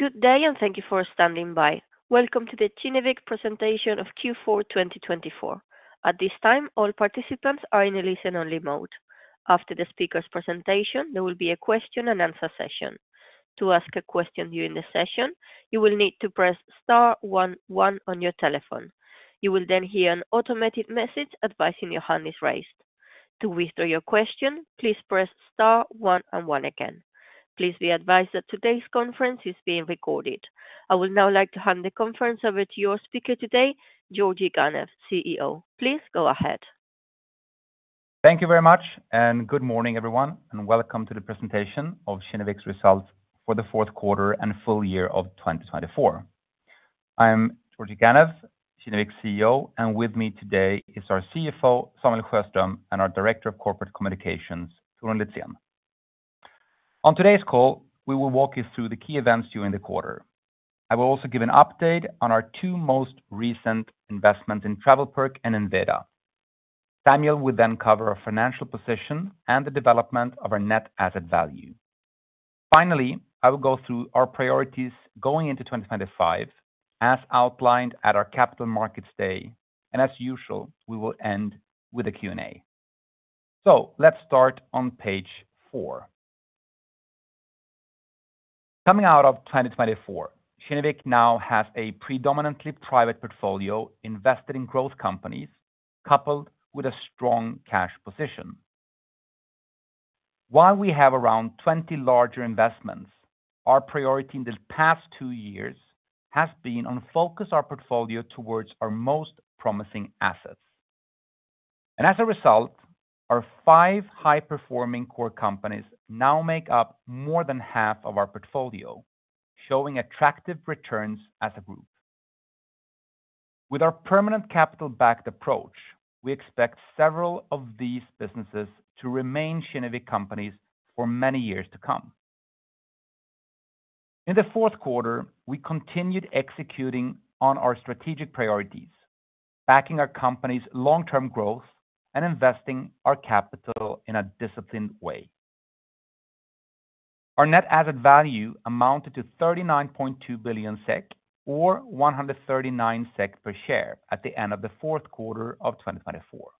Good day, and thank you for standing by. Welcome to the Kinnevik presentation of Q4 2024. At this time, all participants are in a listen-only mode. After the speaker's presentation, there will be a question-and-answer session. To ask a question during the session, you will need to press star one one on your telephone. You will then hear an automated message advising your hand is raised. To withdraw your question, please press star one one again. Please be advised that today's conference is being recorded. I would now like to hand the conference over to your speaker today, Georgi Ganev, CEO. Please go ahead. Thank you very much, and good morning, everyone, and welcome to the presentation of Kinnevik's results for the fourth quarter and full year of 2024. I'm Georgi Ganev, Kinnevik CEO, and with me today is our CFO, Samuel Sjöström, and our Director of Corporate Communications, Torun Litzén. On today's call, we will walk you through the key events during the quarter. I will also give an update on our two most recent investments in TravelPerk and Enveda. Samuel will then cover our financial position and the development of our net asset value. Finally, I will go through our priorities going into 2025, as outlined at our Capital Markets Day, and as usual, we will end with a Q&A. So let's start on page four. Coming out of 2024, Kinnevik now has a predominantly private portfolio invested in growth companies, coupled with a strong cash position. While we have around 20 larger investments, our priority in the past two years has been on focusing our portfolio towards our most promising assets, and as a result, our five high-performing core companies now make up more than half of our portfolio, showing attractive returns as a group. With our permanent capital-backed approach, we expect several of these businesses to remain Kinnevik companies for many years to come. In the fourth quarter, we continued executing on our strategic priorities, backing our company's long-term growth and investing our capital in a disciplined way. Our net asset value amounted to 39.2 billion SEK, or 139 SEK per share, at the end of the fourth quarter of 2024.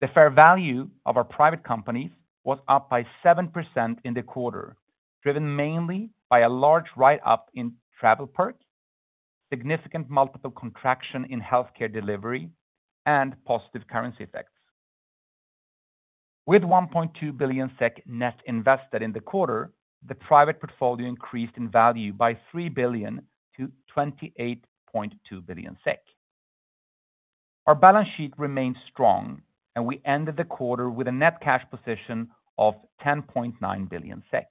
The fair value of our private companies was up by 7% in the quarter, driven mainly by a large write-up in TravelPerk, significant multiple contraction in healthcare delivery, and positive currency effects. With 1.2 billion SEK net invested in the quarter, the private portfolio increased in value by 3 billion to 28.2 billion SEK. Our balance sheet remained strong, and we ended the quarter with a net cash position of 10.9 billion SEK.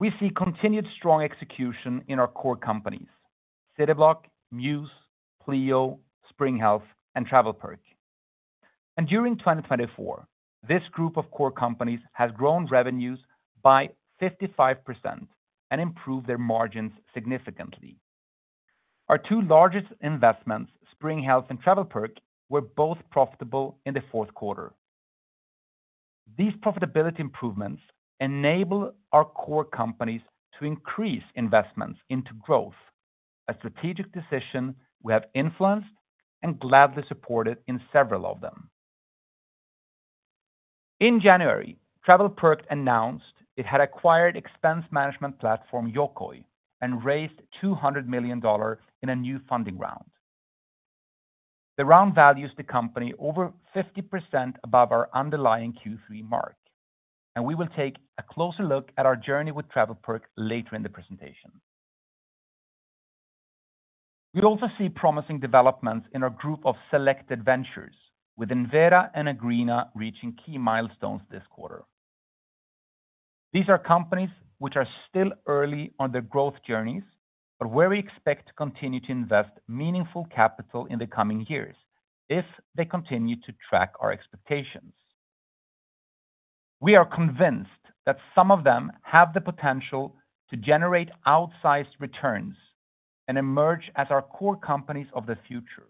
We see continued strong execution in our core companies: Cityblock, Mews, Pleo, Spring Health, and TravelPerk, and during 2024, this group of core companies has grown revenues by 55% and improved their margins significantly. Our two largest investments, Spring Health and TravelPerk, were both profitable in the fourth quarter. These profitability improvements enable our core companies to increase investments into growth, a strategic decision we have influenced and gladly supported in several of them. In January, TravelPerk announced it had acquired expense management platform Yokoy, and raised $200 million in a new funding round. The round values the company over 50% above our underlying Q3 mark, and we will take a closer look at our journey with TravelPerk later in the presentation. We also see promising developments in our group of selected ventures, with Enveda and Agreena reaching key milestones this quarter. These are companies which are still early on their growth journeys, but where we expect to continue to invest meaningful capital in the coming years if they continue to track our expectations. We are convinced that some of them have the potential to generate outsized returns and emerge as our core companies of the future.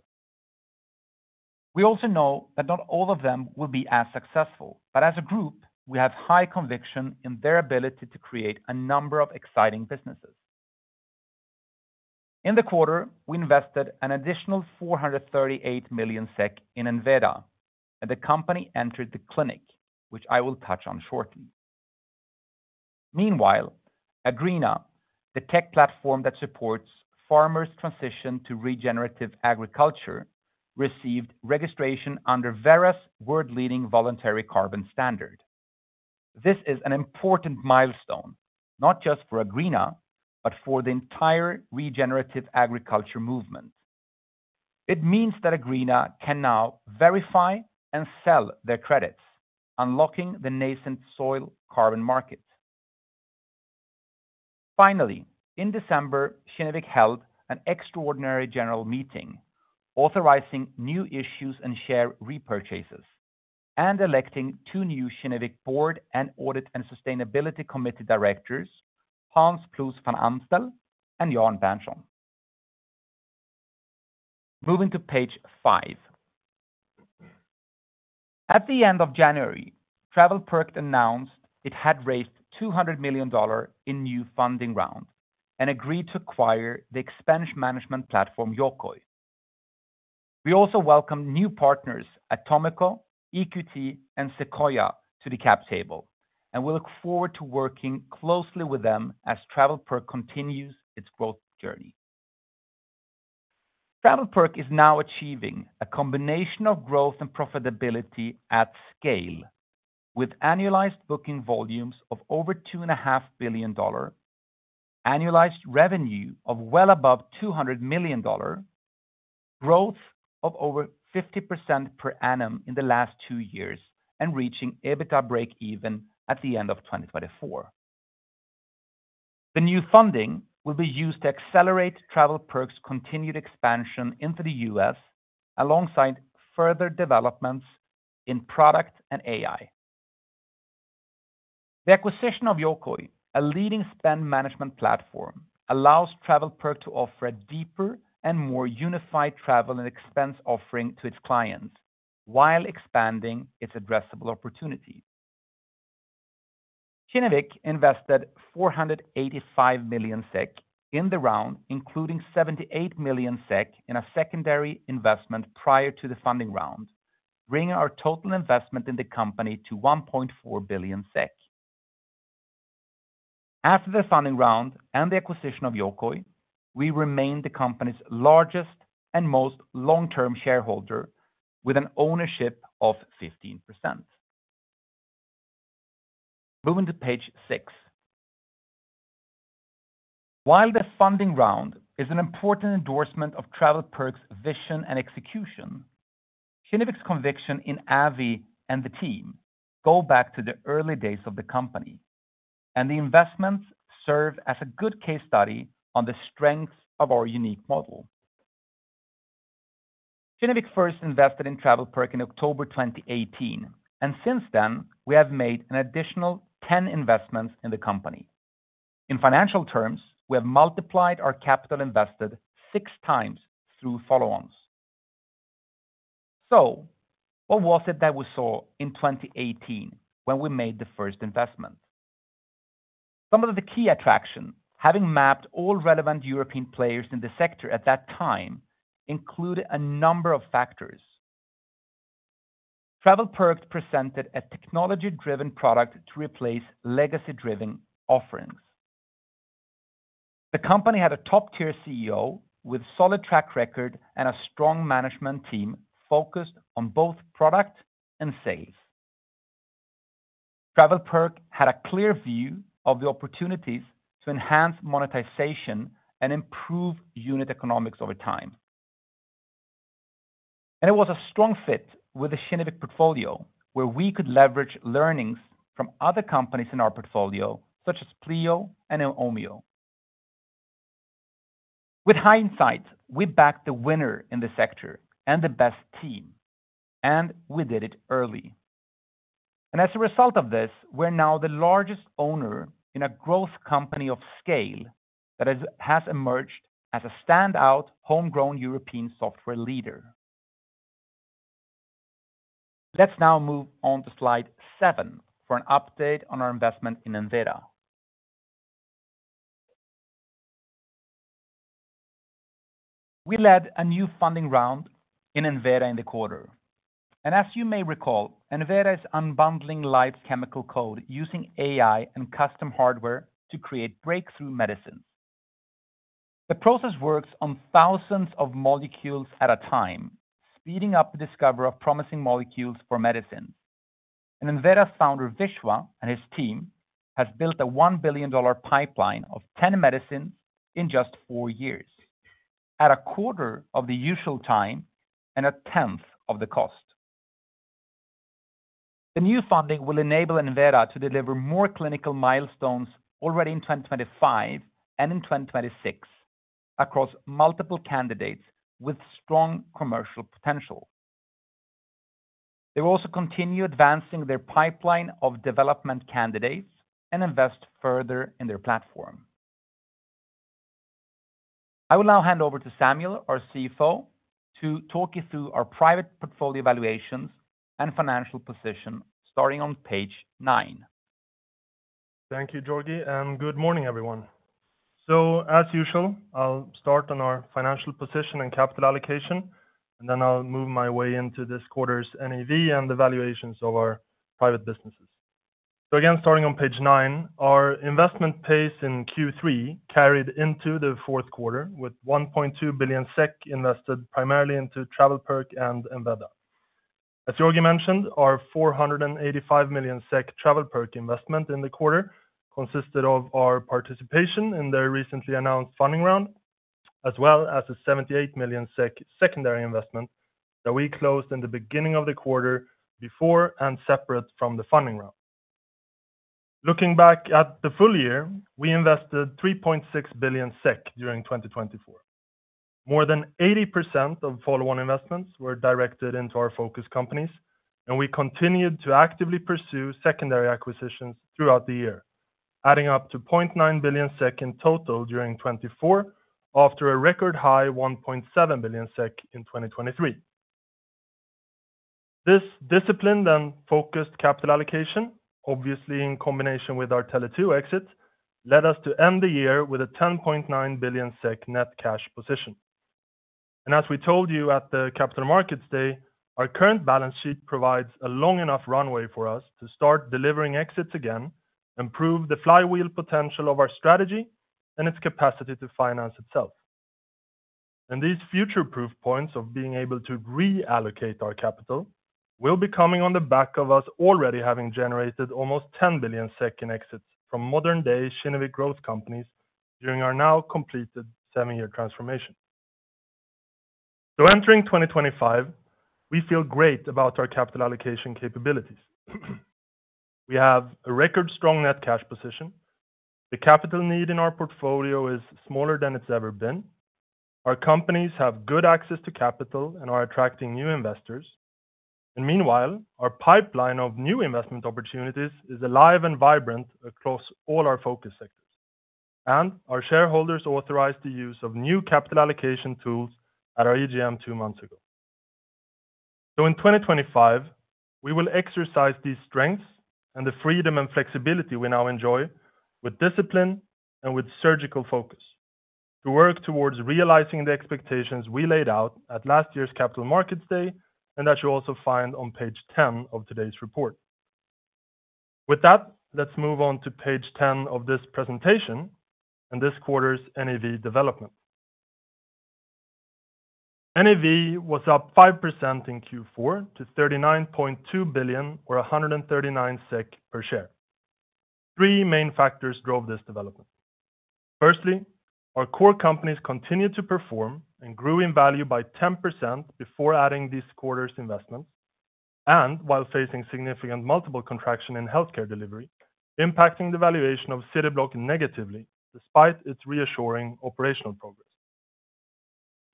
We also know that not all of them will be as successful, but as a group, we have high conviction in their ability to create a number of exciting businesses. In the quarter, we invested an additional 438 million SEK in Enveda, and the company entered the clinic, which I will touch on shortly. Meanwhile, Agreena, the tech platform that supports farmers' transition to regenerative agriculture, received registration under Verra's world-leading voluntary carbon standard. This is an important milestone, not just for Agreena, but for the entire regenerative agriculture movement. It means that Agreena can now verify and sell their credits, unlocking the nascent soil carbon market. Finally, in December, Kinnevik held an extraordinary general meeting, authorizing new issues and share repurchases, and electing two new Kinnevik Board and Audit and Sustainability Committee directors, Hans Ploos van Amstel and Jan Berntsson. Moving to page five. At the end of January, TravelPerk announced it had raised $200 million in new funding round and agreed to acquire the expense management platform Yokoy. We also welcomed new partners at Atomico, EQT, and Sequoia to the cap table, and we look forward to working closely with them as TravelPerk continues its growth journey. TravelPerk is now achieving a combination of growth and profitability at scale, with annualized booking volumes of over $2.5 billion, annualized revenue of well above $200 million, growth of over 50% per annum in the last two years, and reaching EBITDA break-even at the end of 2024. The new funding will be used to accelerate TravelPerk's continued expansion into the U.S., alongside further developments in product and AI. The acquisition of Yokoy, a leading spend management platform, allows TravelPerk to offer a deeper and more unified travel and expense offering to its clients while expanding its addressable opportunity. Kinnevik invested 485 million SEK in the round, including 78 million SEK in a secondary investment prior to the funding round, bringing our total investment in the company to 1.4 billion SEK. After the funding round and the acquisition of Yokoy, we remain the company's largest and most long-term shareholder, with an ownership of 15%. Moving to page six. While the funding round is an important endorsement of TravelPerk's vision and execution, Kinnevik's conviction in Avi and the team goes back to the early days of the company, and the investments serve as a good case study on the strengths of our unique model. Kinnevik first invested in TravelPerk in October 2018, and since then, we have made an additional 10 investments in the company. In financial terms, we have multiplied our capital invested six times through follow-ons. So what was it that we saw in 2018 when we made the first investment? Some of the key attractions, having mapped all relevant European players in the sector at that time, included a number of factors. TravelPerk presented a technology-driven product to replace legacy-driven offerings. The company had a top-tier CEO with a solid track record and a strong management team focused on both product and sales. TravelPerk had a clear view of the opportunities to enhance monetization and improve unit economics over time. And it was a strong fit with the Kinnevik portfolio, where we could leverage learnings from other companies in our portfolio, such as Pleo and Omio. With hindsight, we backed the winner in the sector and the best team, and we did it early. As a result of this, we're now the largest owner in a growth company of scale that has emerged as a standout homegrown European software leader. Let's now move on to slide seven for an update on our investment in Enveda. We led a new funding round in Enveda in the quarter. As you may recall, Enveda is unbundling life's chemical code using AI and custom hardware to create breakthrough medicines. The process works on thousands of molecules at a time, speeding up the discovery of promising molecules for medicines. Enveda's founder, Viswa, and his team have built a $1 billion pipeline of 10 medicines in just four years, at a quarter of the usual time and a tenth of the cost. The new funding will enable Enveda to deliver more clinical milestones already in 2025 and in 2026 across multiple candidates with strong commercial potential. They will also continue advancing their pipeline of development candidates and invest further in their platform. I will now hand over to Samuel Sjöström, our CFO, to talk you through our private portfolio valuations and financial position, starting on page nine. Thank you, Georgi, and good morning, everyone. So as usual, I'll start on our financial position and capital allocation, and then I'll move my way into this quarter's NAV and the valuations of our private businesses. So again, starting on page nine, our investment pace in Q3 carried into the fourth quarter with 1.2 billion SEK invested primarily into TravelPerk and Enveda. As Georgi mentioned, our 485 million SEK TravelPerk investment in the quarter consisted of our participation in the recently announced funding round, as well as the 78 million SEK secondary investment that we closed in the beginning of the quarter before and separate from the funding round. Looking back at the full year, we invested 3.6 billion SEK during 2024. More than 80% of follow-on investments were directed into our focus companies, and we continued to actively pursue secondary acquisitions throughout the year, adding up to 0.9 billion SEK in total during 2024 after a record high of 1.7 billion SEK in 2023. This disciplined and focused capital allocation, obviously in combination with our Tele2 exits, led us to end the year with a 10.9 billion SEK net cash position. And as we told you at the Capital Markets Day, our current balance sheet provides a long enough runway for us to start delivering exits again, improve the flywheel potential of our strategy, and its capacity to finance itself. And these future proof points of being able to reallocate our capital will be coming on the back of us already having generated almost 10 billion SEK in exits from modern-day Kinnevik growth companies during our now completed seven-year transformation. So entering 2025, we feel great about our capital allocation capabilities. We have a record-strong net cash position. The capital need in our portfolio is smaller than it's ever been. Our companies have good access to capital and are attracting new investors. And meanwhile, our pipeline of new investment opportunities is alive and vibrant across all our focus sectors. And our shareholders authorized the use of new capital allocation tools at our EGM two months ago. So in 2025, we will exercise these strengths and the freedom and flexibility we now enjoy with discipline and with surgical focus to work towards realizing the expectations we laid out at last year's Capital Markets Day, and that you'll also find on page 10 of today's report. With that, let's move on to page 10 of this presentation and this quarter's NAV development. NAV was up 5% in Q4 to 39.2 billion, or 139 SEK per share. Three main factors drove this development. Firstly, our core companies continued to perform and grew in value by 10% before adding this quarter's investments, and while facing significant multiple contraction in healthcare delivery, impacting the valuation of Cityblock negatively despite its reassuring operational progress.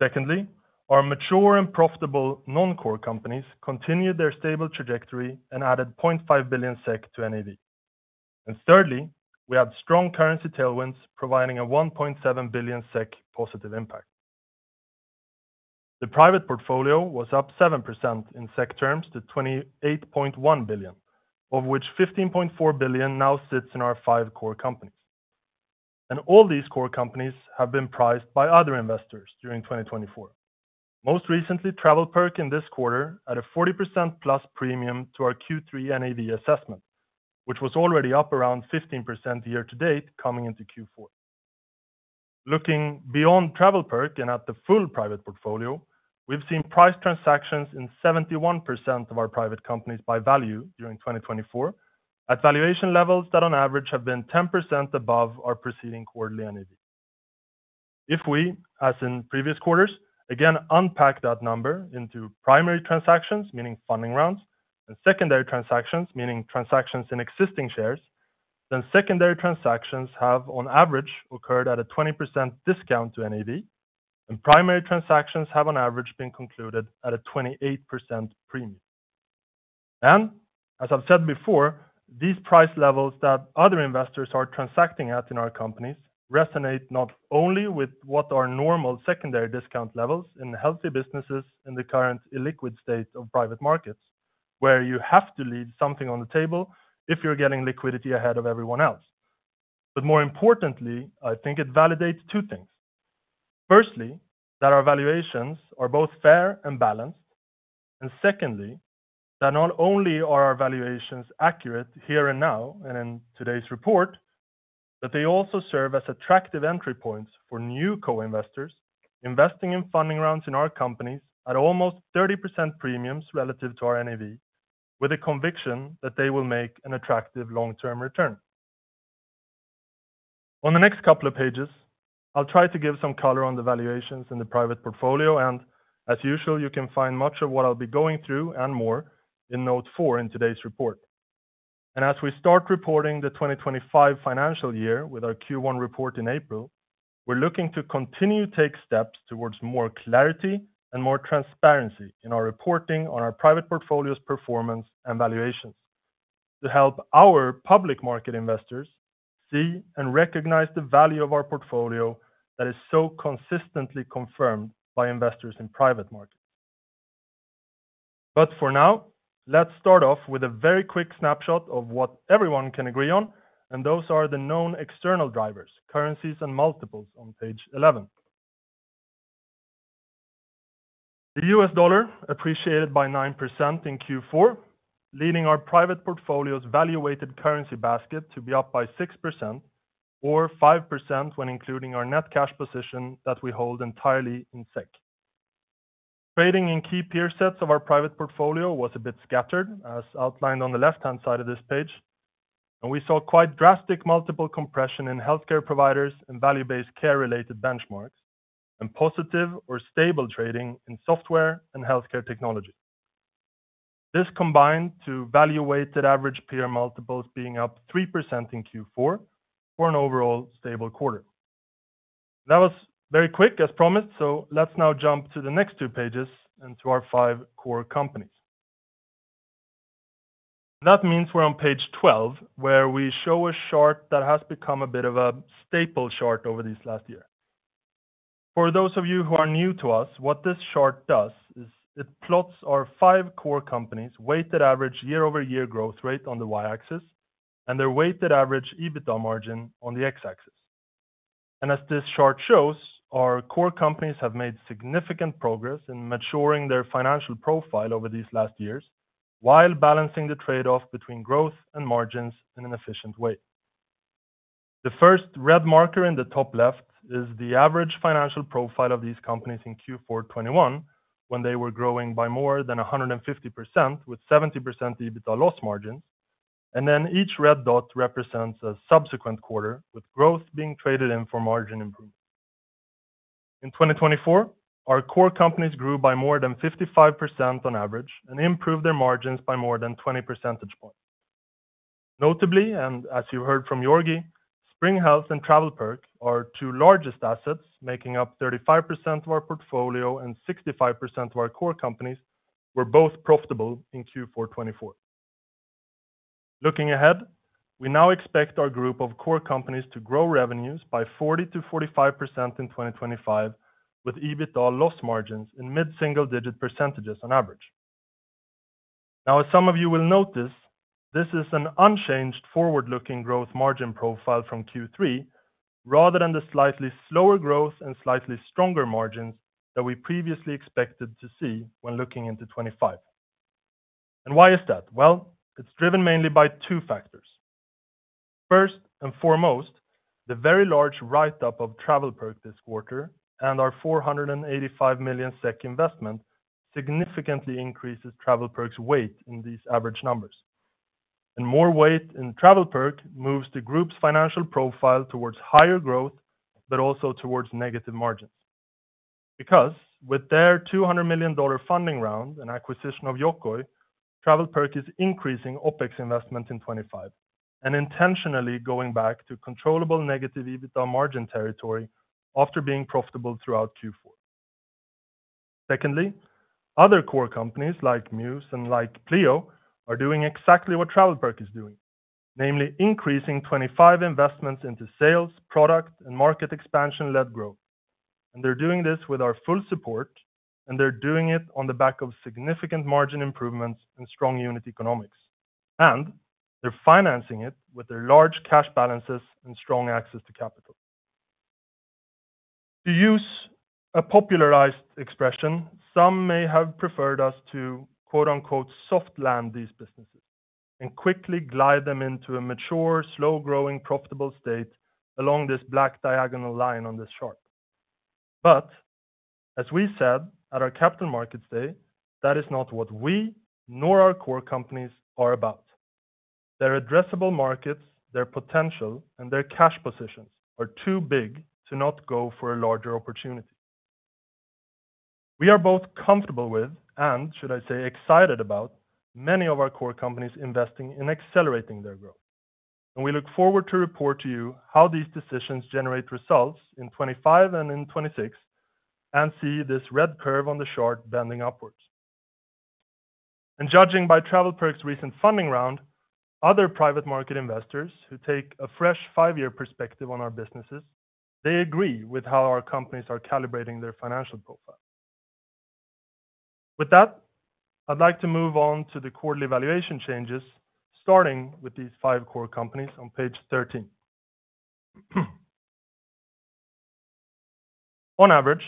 Secondly, our mature and profitable non-core companies continued their stable trajectory and added 0.5 billion SEK to NAV. And thirdly, we had strong currency tailwinds providing a 1.7 billion SEK positive impact. The private portfolio was up 7% in SEK terms to 28.1 billion, of which 15.4 billion now sits in our five core companies. And all these core companies have been priced by other investors during 2024. Most recently, TravelPerk in this quarter added a 40% plus premium to our Q3 NAV assessment, which was already up around 15% year to date coming into Q4. Looking beyond TravelPerk and at the full private portfolio, we've seen price transactions in 71% of our private companies by value during 2024 at valuation levels that on average have been 10% above our preceding quarterly NAV. If we, as in previous quarters, again unpack that number into primary transactions, meaning funding rounds, and secondary transactions, meaning transactions in existing shares, then secondary transactions have on average occurred at a 20% discount to NAV, and primary transactions have on average been concluded at a 28% premium. As I've said before, these price levels that other investors are transacting at in our companies resonate not only with what are normal secondary discount levels in healthy businesses in the current illiquid state of private markets, where you have to leave something on the table if you're getting liquidity ahead of everyone else. More importantly, I think it validates two things. Firstly, that our valuations are both fair and balanced. Secondly, that not only are our valuations accurate here and now and in today's report, but they also serve as attractive entry points for new co-investors investing in funding rounds in our companies at almost 30% premiums relative to our NAV, with a conviction that they will make an attractive long-term return. On the next couple of pages, I'll try to give some color on the valuations in the private portfolio, and as usual, you can find much of what I'll be going through and more in note four in today's report. And as we start reporting the 2025 financial year with our Q1 report in April, we're looking to continue to take steps towards more clarity and more transparency in our reporting on our private portfolio's performance and valuations to help our public market investors see and recognize the value of our portfolio that is so consistently confirmed by investors in private markets. But for now, let's start off with a very quick snapshot of what everyone can agree on, and those are the known external drivers, currencies, and multiples on page 11. The U.S. dollar appreciated by 9% in Q4, leading our private portfolio's valued currency basket to be up by 6% or 5% when including our net cash position that we hold entirely in SEK. Trading in key peer sets of our private portfolio was a bit scattered, as outlined on the left-hand side of this page, and we saw quite drastic multiple compression in healthcare providers and value-based care-related benchmarks and positive or stable trading in software and healthcare technology. This combined to valued average peer multiples being up 3% in Q4 for an overall stable quarter. That was very quick, as promised, so let's now jump to the next two pages and to our five core companies. That means we're on page 12, where we show a chart that has become a bit of a staple chart over this last year. For those of you who are new to us, what this chart does is it plots our five core companies' weighted average year-over-year growth rate on the Y-axis and their weighted average EBITDA margin on the X-axis. And as this chart shows, our core companies have made significant progress in maturing their financial profile over these last years while balancing the trade-off between growth and margins in an efficient way. The first red marker in the top left is the average financial profile of these companies in Q4 2021 when they were growing by more than 150% with 70% EBITDA loss margins, and then each red dot represents a subsequent quarter with growth being traded in for margin improvement. In 2024, our core companies grew by more than 55% on average and improved their margins by more than 20 percentage points. Notably, and as you heard from Georgi, Spring Health and TravelPerk, our two largest assets, making up 35% of our portfolio and 65% of our core companies, were both profitable in Q4 2024. Looking ahead, we now expect our group of core companies to grow revenues by 40%-45% in 2025 with EBITDA loss margins in mid-single-digit percentages on average. Now, as some of you will notice, this is an unchanged forward-looking growth margin profile from Q3, rather than the slightly slower growth and slightly stronger margins that we previously expected to see when looking into 2025. And why is that? Well, it's driven mainly by two factors. First and foremost, the very large write-up of TravelPerk this quarter and our 485 million SEK investment significantly increases TravelPerk's weight in these average numbers. And more weight in TravelPerk moves the group's financial profile towards higher growth, but also towards negative margins. Because with their $200 million funding round and acquisition of Yokoy, TravelPerk is increasing OpEx investment in 2025 and intentionally going back to controllable negative EBITDA margin territory after being profitable throughout Q4. Secondly, other core companies like Mews and like Pleo are doing exactly what TravelPerk is doing, namely increasing 2025 investments into sales, product, and market expansion-led growth. And they're doing this with our full support, and they're doing it on the back of significant margin improvements and strong unit economics, and they're financing it with their large cash balances and strong access to capital. To use a popularized expression, some may have preferred us to "soft land" these businesses and quickly glide them into a mature, slow-growing, profitable state along this black diagonal line on this chart. But as we said at our Capital Markets Day, that is not what we, nor our core companies, are about. Their addressable markets, their potential, and their cash positions are too big to not go for a larger opportunity. We are both comfortable with, and should I say excited about, many of our core companies investing in accelerating their growth. And we look forward to report to you how these decisions generate results in 2025 and in 2026 and see this red curve on the chart bending upwards. And judging by TravelPerk's recent funding round, other private market investors who take a fresh five-year perspective on our businesses, they agree with how our companies are calibrating their financial profile. With that, I'd like to move on to the quarterly valuation changes, starting with these five core companies on page 13. On average,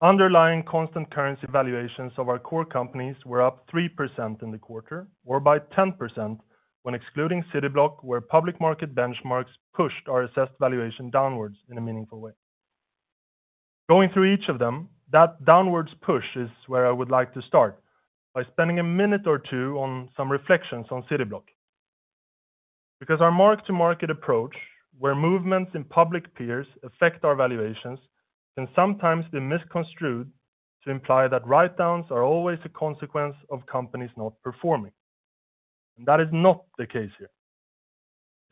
underlying constant currency valuations of our core companies were up 3% in the quarter, or by 10% when excluding Cityblock, where public market benchmarks pushed our assessed valuation downwards in a meaningful way. Going through each of them, that downwards push is where I would like to start by spending a minute or two on some reflections on Cityblock. Because our mark-to-market approach, where movements in public peers affect our valuations, can sometimes be misconstrued to imply that write-downs are always a consequence of companies not performing. And that is not the case here.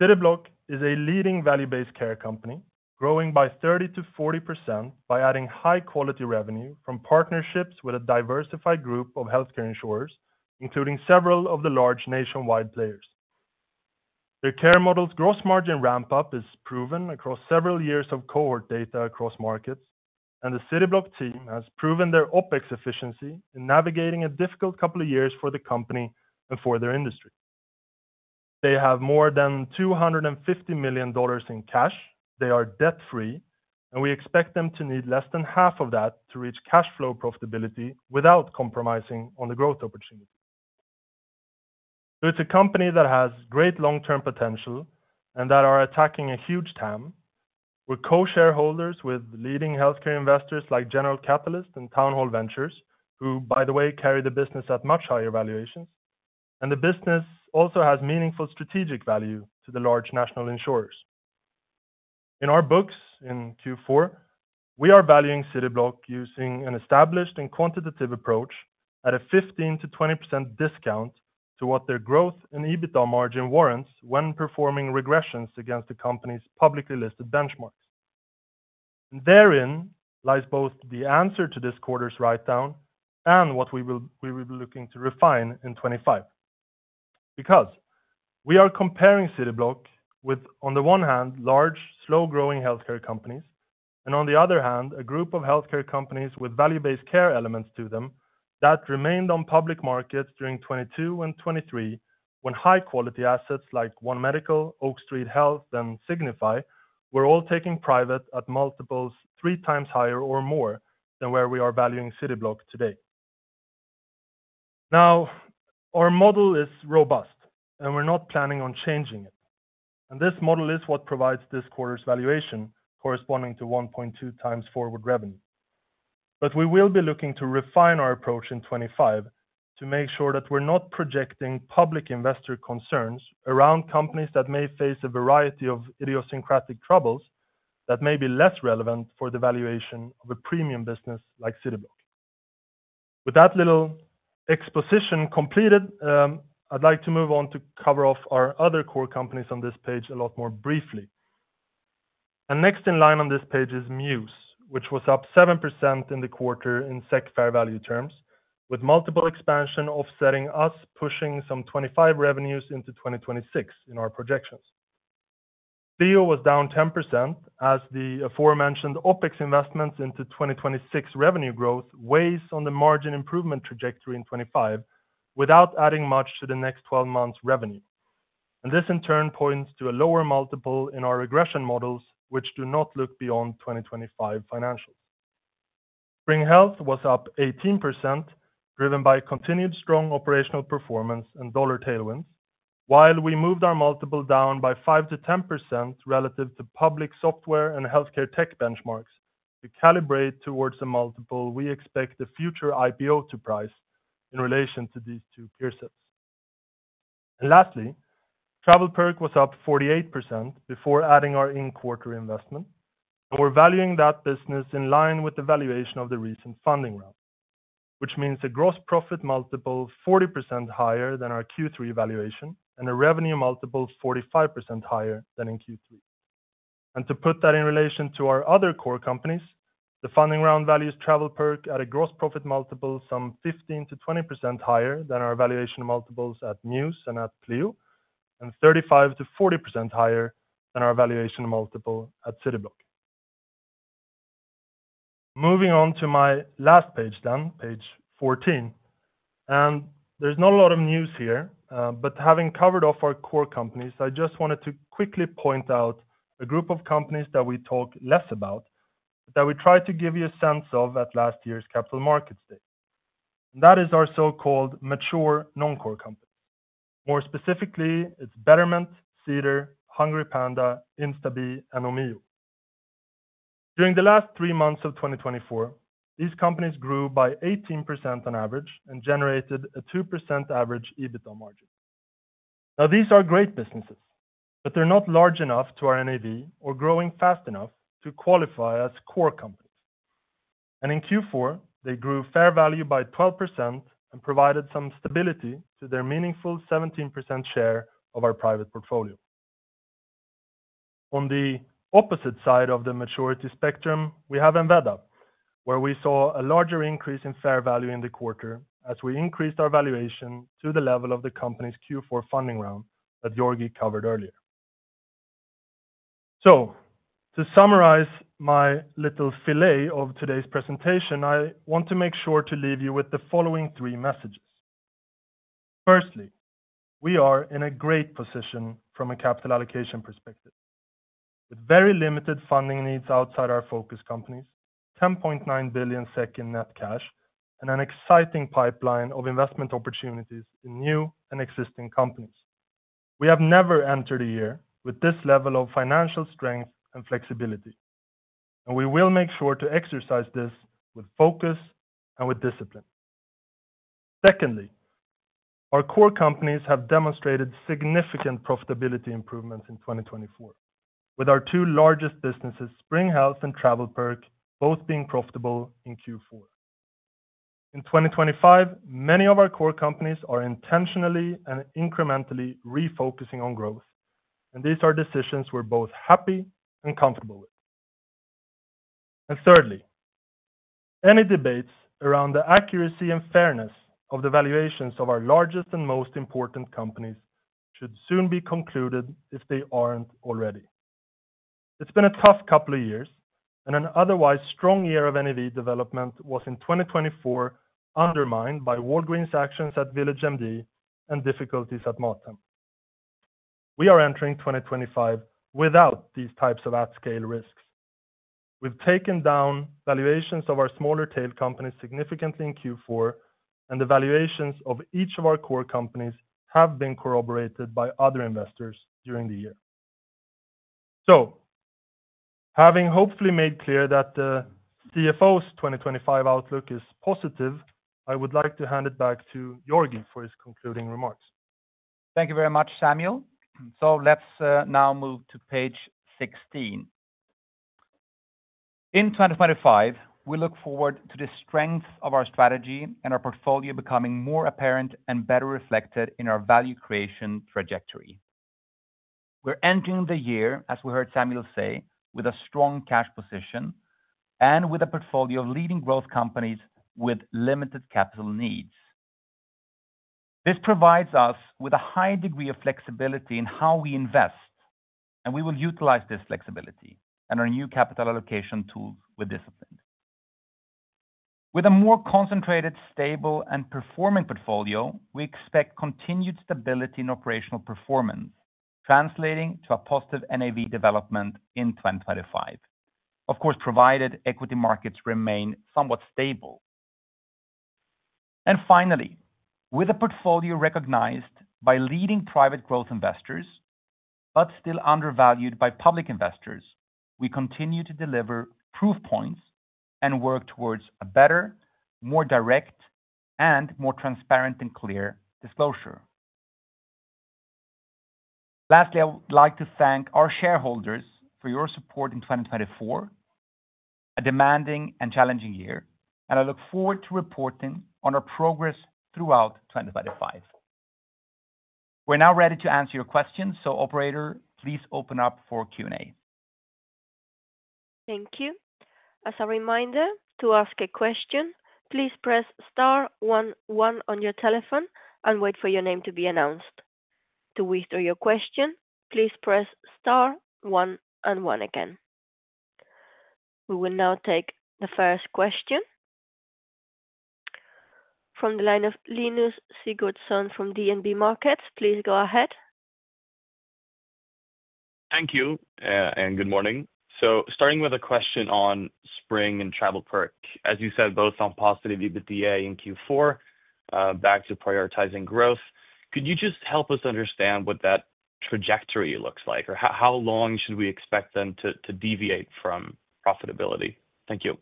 Cityblock is a leading value-based care company, growing by 30%-40% by adding high-quality revenue from partnerships with a diversified group of healthcare insurers, including several of the large nationwide players. Their care model's gross margin ramp-up is proven across several years of cohort data across markets, and the Cityblock team has proven their OpEx efficiency in navigating a difficult couple of years for the company and for their industry. They have more than $250 million in cash. They are debt-free, and we expect them to need less than $125 million to reach cash flow profitability without compromising on the growth opportunity, so it's a company that has great long-term potential and that are attacking a huge TAM, with co-shareholders with leading healthcare investors like General Catalyst and Town Hall Ventures, who, by the way, carry the business at much higher valuations, and the business also has meaningful strategic value to the large national insurers. In our books in Q4, we are valuing Cityblock using an established and quantitative approach at a 15%-20% discount to what their growth and EBITDA margin warrants when performing regressions against the company's publicly listed benchmarks. And therein lies both the answer to this quarter's write-down and what we will be looking to refine in 2025. Because we are comparing Cityblock with, on the one hand, large, slow-growing healthcare companies, and on the other hand, a group of healthcare companies with value-based care elements to them that remained on public markets during 2022 and 2023 when high-quality assets like One Medical, Oak Street Health, and Signify Health were all taken private at multiples three times higher or more than where we are valuing Cityblock today. Now, our model is robust, and we're not planning on changing it. This model is what provides this quarter's valuation, corresponding to 1.2x forward revenue. But we will be looking to refine our approach in 2025 to make sure that we're not projecting public investor concerns around companies that may face a variety of idiosyncratic troubles that may be less relevant for the valuation of a premium business like Cityblock. With that little exposition completed, I'd like to move on to cover off our other core companies on this page a lot more briefly. Next in line on this page is Mews, which was up 7% in the quarter in SEK fair value terms, with multiple expansion offsetting us pushing some 2025 revenues into 2026 in our projections. Pleo was down 10% as the aforementioned OpEx investments into 2026 revenue growth weighs on the margin improvement trajectory in 2025 without adding much to the next 12 months' revenue. This, in turn, points to a lower multiple in our regression models, which do not look beyond 2025 financials. Spring Health was up 18%, driven by continued strong operational performance and dollar tailwinds, while we moved our multiple down by 5%-10% relative to public software and healthcare tech benchmarks to calibrate towards a multiple we expect the future IPO to price in relation to these two peer sets. Lastly, TravelPerk was up 48% before adding our in-quarter investment, and we're valuing that business in line with the valuation of the recent funding round, which means a gross profit multiple 40% higher than our Q3 valuation and a revenue multiple 45% higher than in Q3. And to put that in relation to our other core companies, the funding round values TravelPerk at a gross profit multiple some 15%-20% higher than our valuation multiples at Mews and at Pleo, and 35%-40% higher than our valuation multiple at Cityblock. Moving on to my last page then, page 14. And there's not a lot of news here, but having covered off our core companies, I just wanted to quickly point out a group of companies that we talk less about, but that we tried to give you a sense of at last year's Capital Markets Day. And that is our so-called mature non-core companies. More specifically, it's Betterment, Cedar, HungryPanda, Instabee, and Omio. During the last three months of 2024, these companies grew by 18% on average and generated a 2% average EBITDA margin. Now, these are great businesses, but they're not large enough to our NAV or growing fast enough to qualify as core companies. In Q4, they grew fair value by 12% and provided some stability to their meaningful 17% share of our private portfolio. On the opposite side of the maturity spectrum, we have Enveda, where we saw a larger increase in fair value in the quarter as we increased our valuation to the level of the company's Q4 funding round that Georgi covered earlier. To summarize my little fillet of today's presentation, I want to make sure to leave you with the following three messages. Firstly, we are in a great position from a capital allocation perspective, with very limited funding needs outside our focus companies, 10.9 billion SEK in net cash, and an exciting pipeline of investment opportunities in new and existing companies. We have never entered a year with this level of financial strength and flexibility, and we will make sure to exercise this with focus and with discipline. Secondly, our core companies have demonstrated significant profitability improvements in 2024, with our two largest businesses, Spring Health and TravelPerk, both being profitable in Q4. In 2025, many of our core companies are intentionally and incrementally refocusing on growth, and these are decisions we're both happy and comfortable with. And thirdly, any debates around the accuracy and fairness of the valuations of our largest and most important companies should soon be concluded if they aren't already. It's been a tough couple of years, and an otherwise strong year of NAV development was in 2024 undermined by Walgreens' actions at VillageMD and difficulties at Mathem. We are entering 2025 without these types of at-scale risks. We've taken down valuations of our smaller tail companies significantly in Q4, and the valuations of each of our core companies have been corroborated by other investors during the year. So, having hopefully made clear that the CFO's 2025 outlook is positive, I would like to hand it back to Georgi for his concluding remarks. Thank you very much, Samuel. So let's now move to page 16. In 2025, we look forward to the strength of our strategy and our portfolio becoming more apparent and better reflected in our value creation trajectory. We're entering the year, as we heard Samuel say, with a strong cash position and with a portfolio of leading growth companies with limited capital needs. This provides us with a high degree of flexibility in how we invest, and we will utilize this flexibility and our new capital allocation tools with discipline. With a more concentrated, stable, and performing portfolio, we expect continued stability in operational performance, translating to a positive NAV development in 2025, of course, provided equity markets remain somewhat stable, and finally, with a portfolio recognized by leading private growth investors, but still undervalued by public investors, we continue to deliver proof points and work towards a better, more direct, and more transparent and clear disclosure. Lastly, I would like to thank our shareholders for your support in 2024, a demanding and challenging year, and I look forward to reporting on our progress throughout 2025. We're now ready to answer your questions, so Operator, please open up for Q&A. Thank you. As a reminder, to ask a question, please press star one one on your telephone and wait for your name to be announced. To withdraw your question, please press star one and one again. We will now take the first question from the line of Linus Sigurdson from DNB Markets. Please go ahead. Thank you and good morning. So starting with a question on Spring and TravelPerk, as you said, both on positive EBITDA in Q4, back to prioritizing growth. Could you just help us understand what that trajectory looks like, or how long should we expect them to deviate from profitability? Thank you.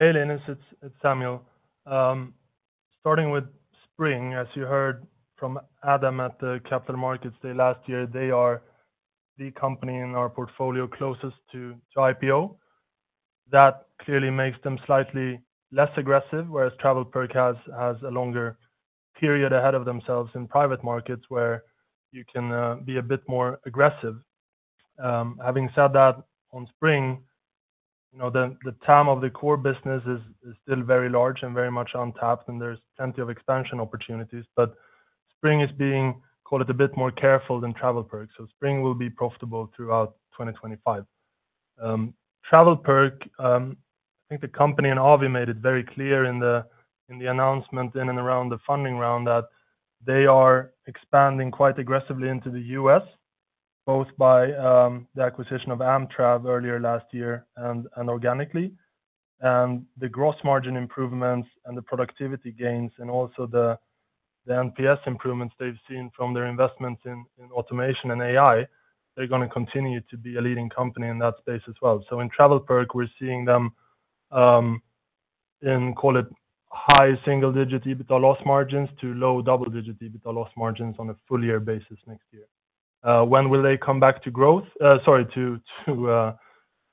Hey, Linus, it's Samuel. Starting with Spring, as you heard from Adam at the Capital Markets Day last year, they are the company in our portfolio closest to IPO. That clearly makes them slightly less aggressive, whereas TravelPerk has a longer period ahead of themselves in private markets where you can be a bit more aggressive. Having said that, on Spring, the TAM of the core business is still very large and very much untapped, and there's plenty of expansion opportunities, but Spring is being, call it a bit more careful than TravelPerk, so Spring will be profitable throughout 2025. TravelPerk, I think the company and Avi made it very clear in the announcement in and around the funding round that they are expanding quite aggressively into the U.S., both by the acquisition of AmTrav earlier last year and organically. And the gross margin improvements and the productivity gains and also the NPS improvements they've seen from their investments in automation and AI, they're going to continue to be a leading company in that space as well. So in TravelPerk, we're seeing them in, call it high single-digit EBITDA loss margins to low double-digit EBITDA loss margins on a full-year basis next year. When will they come back to growth, sorry, to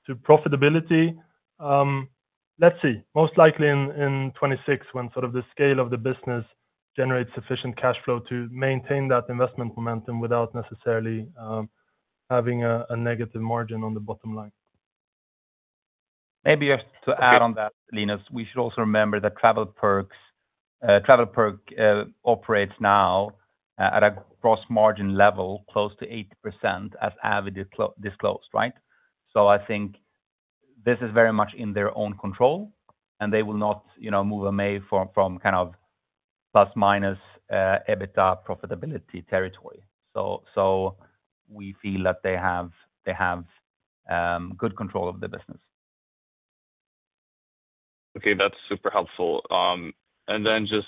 profitability? Let's see. Most likely in 2026, when sort of the scale of the business generates sufficient cash flow to maintain that investment momentum without necessarily having a negative margin on the bottom line. Maybe just to add on that, Linus, we should also remember that TravelPerk operates now at a gross margin level close to 8%, as Avi disclosed, right? So I think this is very much in their own control, and they will not move away from kind of plus-minus EBITDA profitability territory. So we feel that they have good control of the business. Okay, that's super helpful. And then just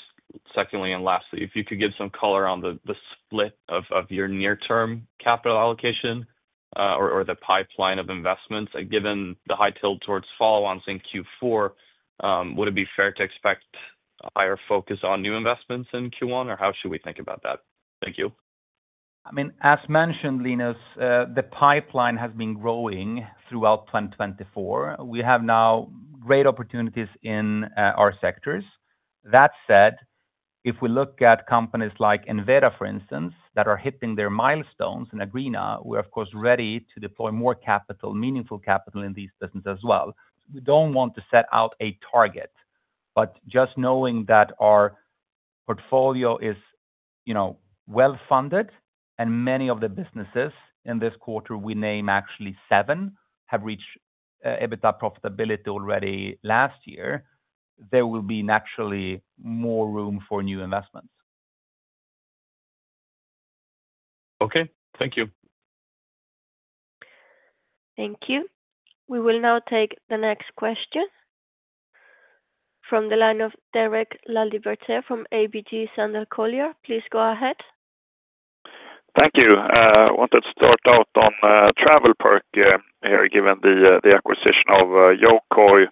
secondly and lastly, if you could give some color on the split of your near-term capital allocation or the pipeline of investments, given the high tilt towards follow-ons in Q4, would it be fair to expect a higher focus on new investments in Q1, or how should we think about that? Thank you. I mean, as mentioned, Linus, the pipeline has been growing throughout 2024. We have now great opportunities in our sectors. That said, if we look at companies like Enveda, for instance, that are hitting their milestones in Agreena, we're, of course, ready to deploy more capital, meaningful capital in these businesses as well. We don't want to set out a target, but just knowing that our portfolio is well-funded and many of the businesses in this quarter, we name actually seven, have reached EBITDA profitability already last year, there will be naturally more room for new investments. Okay, thank you. Thank you. We will now take the next question from the line of Derek Laliberte from ABG Sundal Collier. Please go ahead. Thank you. I wanted to start out on TravelPerk here, given the acquisition of Yokoy.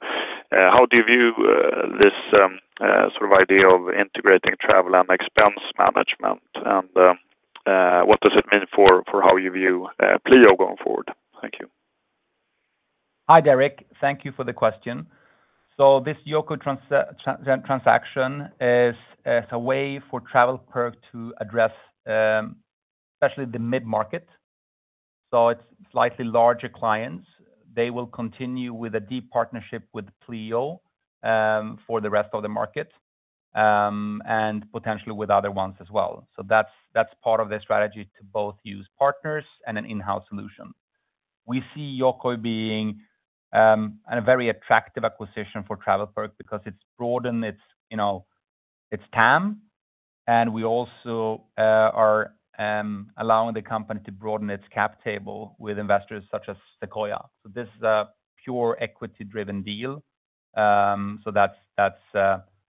How do you view this sort of idea of integrating travel and expense management, and what does it mean for how you view Pleo going forward? Thank you. Hi, Derek. Thank you for the question. So this Yokoy transaction is a way for TravelPerk to address especially the mid-market. So it's slightly larger clients. They will continue with a deep partnership with Pleo for the rest of the market and potentially with other ones as well. So that's part of the strategy to both use partners and an in-house solution. We see Yokoy being a very attractive acquisition for TravelPerk because it's broadened its TAM, and we also are allowing the company to broaden its cap table with investors such as Sequoia. So this is a pure equity-driven deal. So that's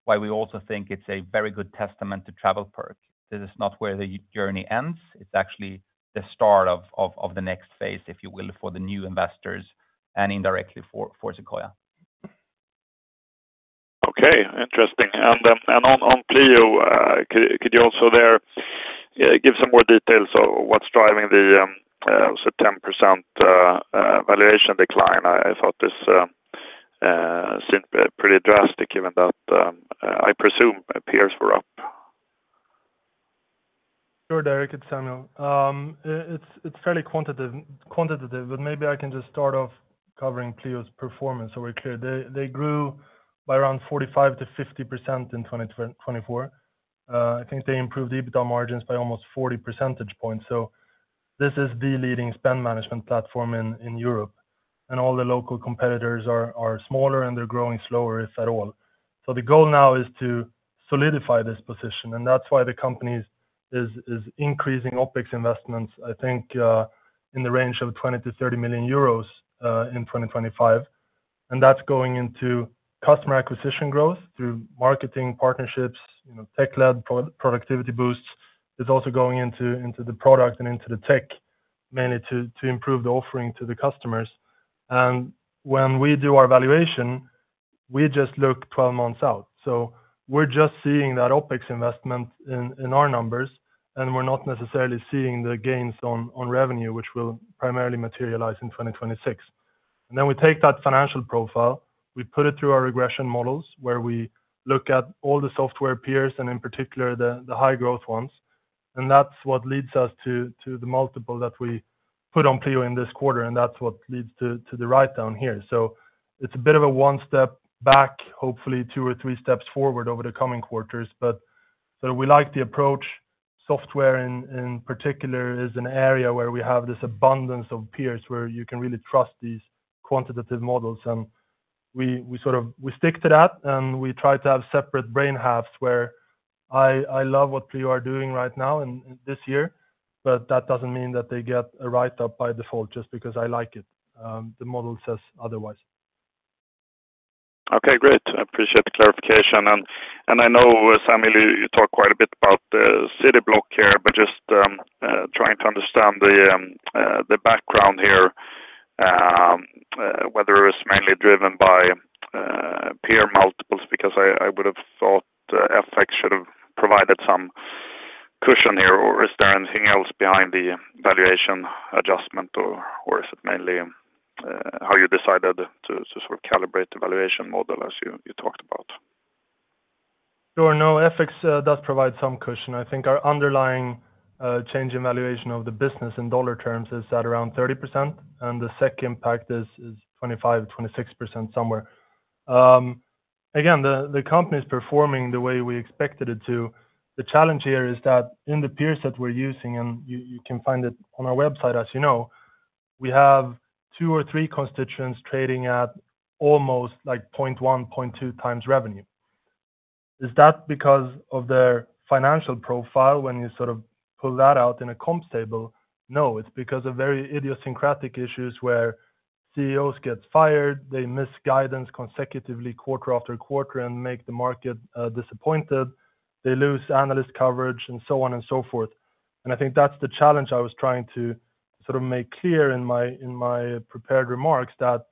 why we also think it's a very good testament to TravelPerk. This is not where the journey ends. It's actually the start of the next phase, if you will, for the new investors and indirectly for Sequoia. Okay, interesting. And on Pleo, could you also there give some more details of what's driving the 10% valuation decline? I thought this seemed pretty drastic, given that I presume peers were up. Sure, Derek and Samuel. It's fairly quantitative, but maybe I can just start off covering Pleo's performance so we're clear. They grew by around 45%-50% in 2024. I think they improved EBITDA margins by almost 40 percentage points. So this is the leading spend management platform in Europe, and all the local competitors are smaller, and they're growing slower, if at all. So the goal now is to solidify this position, and that's why the company is increasing OpEx investments, I think, in the range of 20 million-30 million euros in 2025. And that's going into customer acquisition growth through marketing partnerships, tech-led productivity boosts. It's also going into the product and into the tech, mainly to improve the offering to the customers. And when we do our valuation, we just look 12 months out. We're just seeing that OpEx investment in our numbers, and we're not necessarily seeing the gains on revenue, which will primarily materialize in 2026. Then we take that financial profile, we put it through our regression models where we look at all the software peers and, in particular, the high-growth ones. That's what leads us to the multiple that we put on Pleo in this quarter, and that's what leads to the write-down here. It's a bit of a one step back, hopefully two or three steps forward over the coming quarters. We like the approach. Software, in particular, is an area where we have this abundance of peers where you can really trust these quantitative models. And we stick to that, and we try to have separate brain halves where I love what Pleo are doing right now and this year, but that doesn't mean that they get a write-up by default just because I like it. The model says otherwise. Okay, great. I appreciate the clarification. And I know, Samuel, you talk quite a bit about the Cityblock here, but just trying to understand the background here, whether it's mainly driven by peer multiples, because I would have thought FX should have provided some cushion here. Or is there anything else behind the valuation adjustment, or is it mainly how you decided to sort of calibrate the valuation model as you talked about? Sure. No, FX does provide some cushion. I think our underlying change in valuation of the business in dollar terms is at around 30%, and the FX impact is 25%-26% somewhere. Again, the company is performing the way we expected it to. The challenge here is that in the peers that we're using, and you can find it on our website, as you know, we have two or three constituents trading at almost like 0.1x-0.2x revenue. Is that because of their financial profile when you sort of pull that out in a comps table? No, it's because of very idiosyncratic issues where CEOs get fired, they miss guidance consecutively quarter after quarter and make the market disappointed, they lose analyst coverage, and so on and so forth. I think that's the challenge I was trying to sort of make clear in my prepared remarks that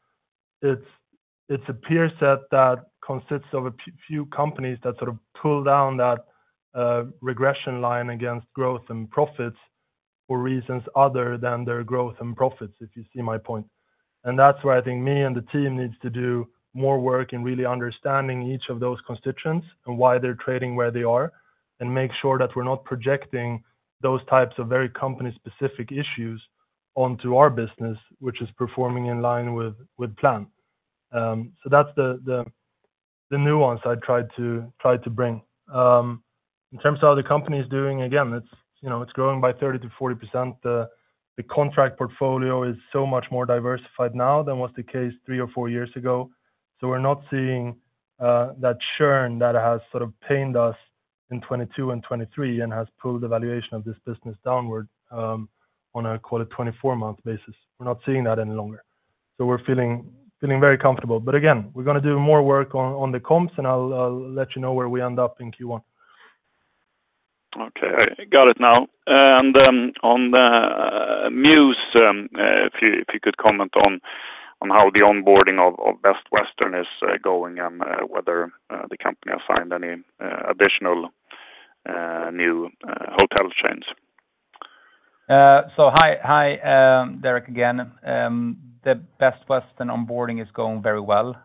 it's a peer set that consists of a few companies that sort of pull down that regression line against growth and profits for reasons other than their growth and profits, if you see my point. That's where I think me and the team needs to do more work in really understanding each of those constituents and why they're trading where they are and make sure that we're not projecting those types of very company-specific issues onto our business, which is performing in line with plan. So that's the nuance I tried to bring. In terms of how the company is doing, again, it's growing by 30%-40%. The contract portfolio is so much more diversified now than was the case three or four years ago. So we're not seeing that churn that has sort of pained us in 2022 and 2023 and has pulled the valuation of this business downward on a, call it, 24-month basis. We're not seeing that any longer. So we're feeling very comfortable. But again, we're going to do more work on the comps, and I'll let you know where we end up in Q1. Okay, I got it now. And on the news, if you could comment on how the onboarding of Best Western is going and whether the company has signed any additional new hotel chains. So hi, Derek again. The Best Western onboarding is going very well.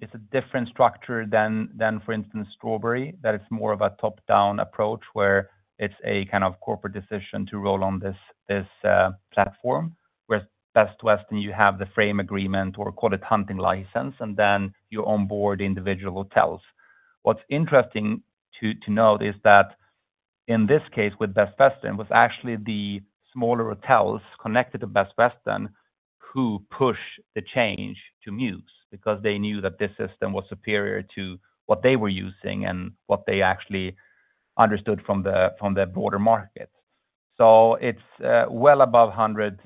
It's a different structure than, for instance, Strawberry. That is more of a top-down approach where it's a kind of corporate decision to roll on this platform, whereas Best Western, you have the frame agreement or, call it, hunting license, and then you onboard individual hotels. What's interesting to note is that in this case with Best Western, it was actually the smaller hotels connected to Best Western who pushed the change to Mews because they knew that this system was superior to what they were using and what they actually understood from the broader market. So it's well above 100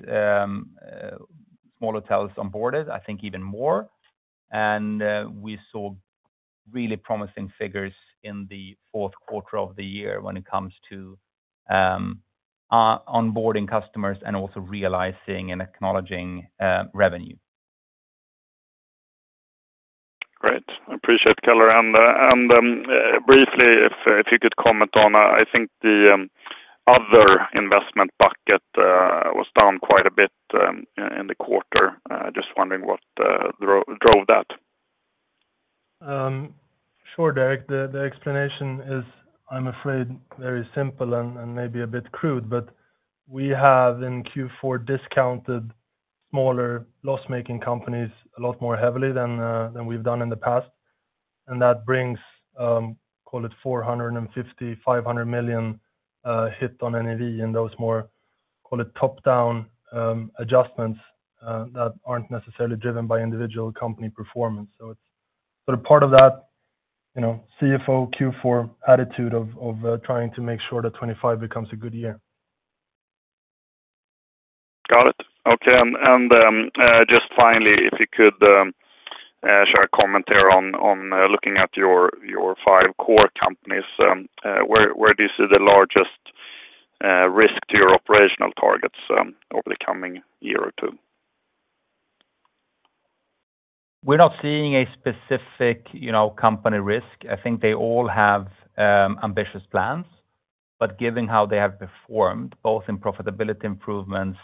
small hotels onboarded, I think even more. And we saw really promising figures in the fourth quarter of the year when it comes to onboarding customers and also realizing and acknowledging revenue. Great. I appreciate the color. Briefly, if you could comment on, I think the other investment bucket was down quite a bit in the quarter. Just wondering what drove that. Sure, Derek. The explanation is, I'm afraid, very simple and maybe a bit crude, but we have in Q4 discounted smaller loss-making companies a lot more heavily than we've done in the past. And that brings, call it, 450 million-500 million hit on NAV in those more, call it, top-down adjustments that aren't necessarily driven by individual company performance. So it's sort of part of that CFO Q4 attitude of trying to make sure that 2025 becomes a good year. Got it. Okay. And just finally, if you could share a comment here on looking at your five core companies, where do you see the largest risk to your operational targets over the coming year or two? We're not seeing a specific company risk. I think they all have ambitious plans, but given how they have performed, both in profitability improvements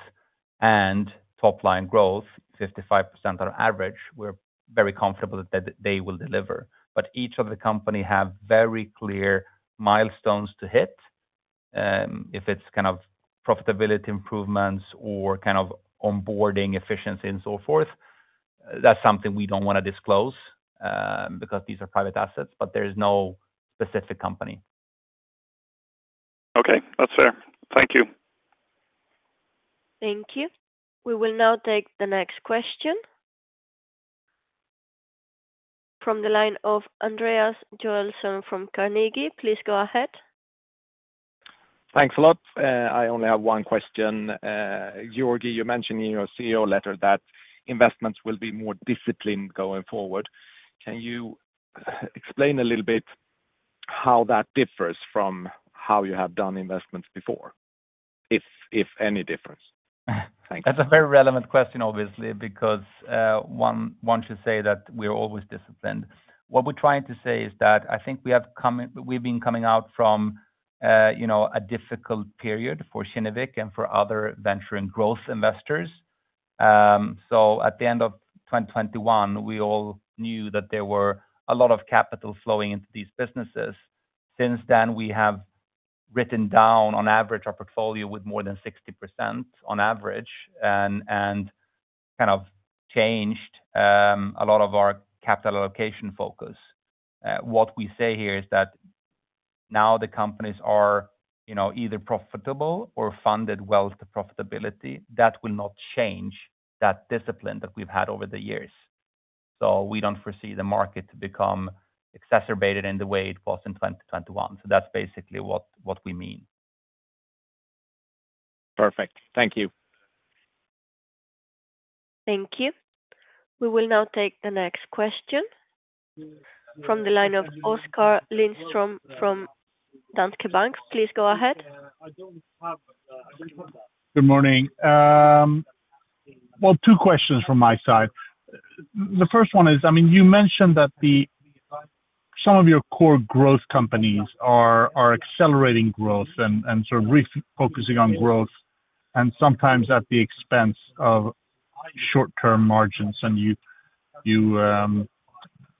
and top-line growth, 55% on average, we're very comfortable that they will deliver. But each of the companies have very clear milestones to hit. If it's kind of profitability improvements or kind of onboarding efficiency and so forth, that's something we don't want to disclose because these are private assets, but there is no specific company. Okay, that's fair. Thank you. Thank you. We will now take the next question from the line of Andreas Joelsson from Carnegie. Please go ahead. Thanks a lot. I only have one question. Georgi, you mentioned in your CEO letter that investments will be more disciplined going forward. Can you explain a little bit how that differs from how you have done investments before, if any difference? Thank you. That's a very relevant question, obviously, because once you say that we're always disciplined, what we're trying to say is that I think we've been coming out from a difficult period for Kinnevik and for other venture and growth investors. So at the end of 2021, we all knew that there were a lot of capital flowing into these businesses. Since then, we have written down, on average, our portfolio with more than 60% on average and kind of changed a lot of our capital allocation focus. What we say here is that now the companies are either profitable or funded well to profitability. That will not change that discipline that we've had over the years. So we don't foresee the market to become exacerbated in the way it was in 2021. So that's basically what we mean. Perfect. Thank you. Thank you. We will now take the next question from the line of Oskar Lindström from Danske Bank. Please go ahead. Good morning. Well, two questions from my side. The first one is, I mean, you mentioned that some of your core growth companies are accelerating growth and sort of refocusing on growth and sometimes at the expense of short-term margins. And you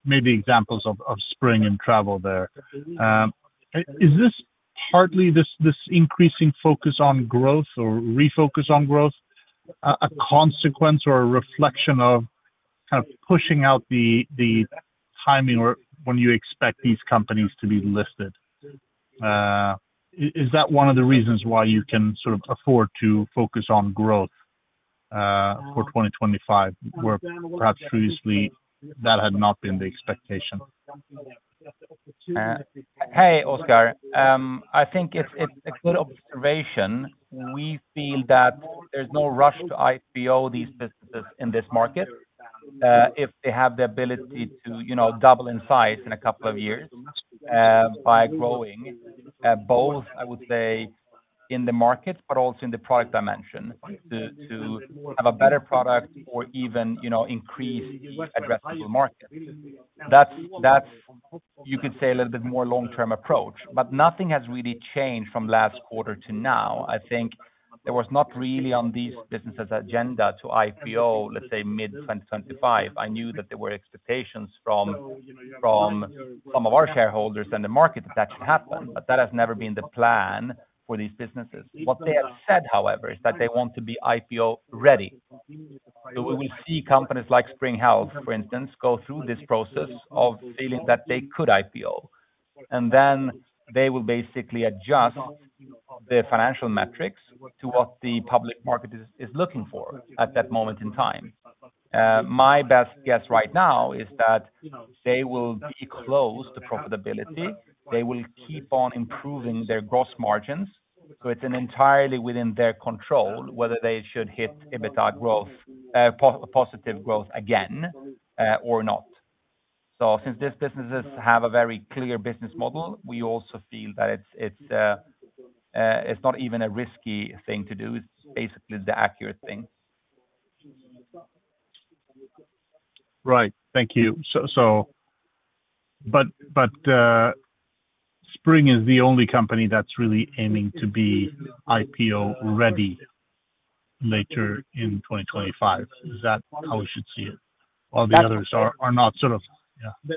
made the examples of Spring and Travel there. Is this partly this increasing focus on growth or refocus on growth a consequence or a reflection of kind of pushing out the timing or when you expect these companies to be listed? Is that one of the reasons why you can sort of afford to focus on growth for 2025, where perhaps previously that had not been the expectation? Hey, Oskar. I think it's a good observation. We feel that there's no rush to IPO these businesses in this market if they have the ability to double in size in a couple of years by growing both, I would say, in the market, but also in the product dimension to have a better product or even increase addressable markets. That's, you could say, a little bit more long-term approach, but nothing has really changed from last quarter to now. I think there was not really on these businesses' agenda to IPO, let's say, mid-2025. I knew that there were expectations from some of our shareholders and the market that that should happen, but that has never been the plan for these businesses. What they have said, however, is that they want to be IPO-ready, so we will see companies like Spring Health, for instance, go through this process of feeling that they could IPO. And then they will basically adjust their financial metrics to what the public market is looking for at that moment in time. My best guess right now is that they will be close to profitability. They will keep on improving their gross margins. So it's entirely within their control whether they should hit EBITDA growth, positive growth again, or not. So since these businesses have a very clear business model, we also feel that it's not even a risky thing to do. It's basically the accurate thing. Right. Thank you. But Spring is the only company that's really aiming to be IPO-ready later in 2025. Is that how we should see it? All the others are not sort of yeah.